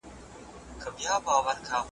د ښه ژوند لپاره پوهي ته اړتیا ده.